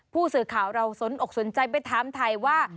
ผู้สื่อข่าวเราสนอกสนใจไปถามไทยว่า